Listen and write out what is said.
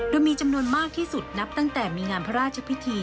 โดยมีจำนวนมากที่สุดนับตั้งแต่มีงานพระราชพิธี